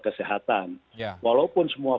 kesehatan walaupun semua